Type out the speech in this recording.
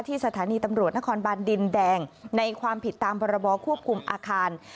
สถานีตำรวจนครบานดินแดงในความผิดตามพรบควบคุมอาคาร